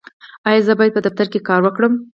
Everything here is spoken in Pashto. ایا زه باید په دفتر کې کار وکړم؟